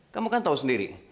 kamu kan tau sendiri